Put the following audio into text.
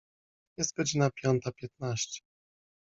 Jest godzina piąta piętnaście.